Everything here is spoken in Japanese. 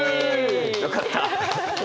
よかった。